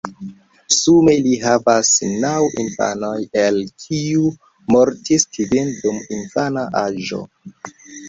Sume li havis naŭ infanoj el kiuj mortis kvin dum infana aĝo.